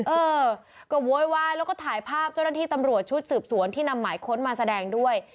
เออก็โวยวายแล้วก็ถ่ายภาพเจ้าหน้าที่ตำรวจชุดสืบสวนที่นำหมายค้นมาแสดงด้วย